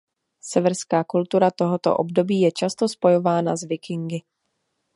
Severská kultura tohoto období je často spojována s Vikingy.